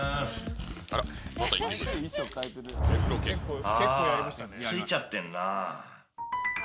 あー、ついちゃってんなあ。